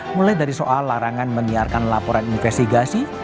mulai dari soal larangan menyiarkan laporan investigasi